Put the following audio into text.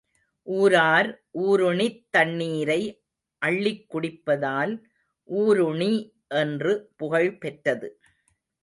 ஊரார் ஊருணித் தண்ணீரை அள்ளிக் குடிப்பதால் ஊருணி என்று புகழ் பெற்றது.